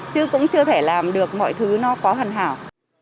chứ cũng chưa thể làm được mọi thứ nó có hẳn hảo